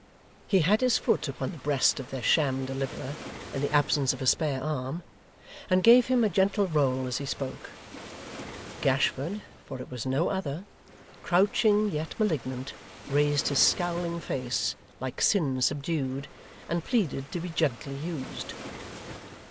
He had his foot upon the breast of their sham deliverer, in the absence of a spare arm; and gave him a gentle roll as he spoke. Gashford, for it was no other, crouching yet malignant, raised his scowling face, like sin subdued, and pleaded to be gently used.